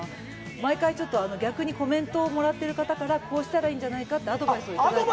毎回、ちょっと逆にコメントをもらっている方から、こうしたらいいんじゃないかってアドバイスもいただいて。